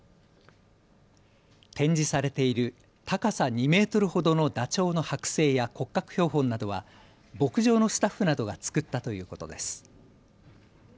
展示されている高さ２メートルほどのダチョウの剥製や骨格標本などは牧場のスタッフなどが作ったということです。